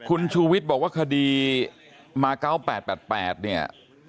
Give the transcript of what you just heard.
คุณชูวิทย์บอกว่าคดีมา๙๘๘เนี่ย